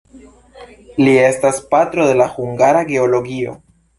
Li estas "patro" de la hungara geologio.